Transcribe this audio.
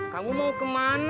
kamu mau kemana